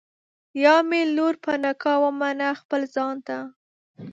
یا مي لور په نکاح ومنه خپل ځان ته